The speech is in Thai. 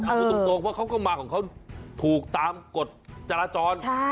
พูดตรงเพราะเขาก็มาของเขาถูกตามกฎจรจร